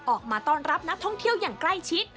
ออกมาต้อนรับนักท่องเที่ยวอย่างใกล้ชิด